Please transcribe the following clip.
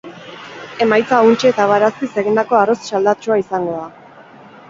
Emaitza untxi eta barazkiz egindako arroz saldatsua izango da.